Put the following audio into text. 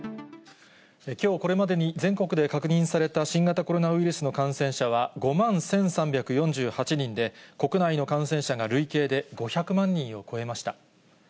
きょうこれまでに全国で確認された新型コロナウイルスの感染者は、５まん１３４８人で、国内の感染者が累計で５００万人を超えました。